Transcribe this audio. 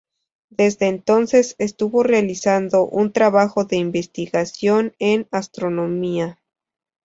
Desde entonces estuvo realizando un trabajo de investigación en astronomía.